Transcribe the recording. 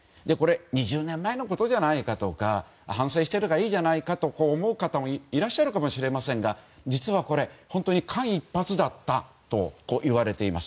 ２０年前のことじゃないかとか反省しているからいいじゃないかと思う方もいらっしゃるかもしれませんが実はこれ、間一髪だったといわれています。